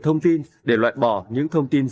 thông tin để loại bỏ những thông tin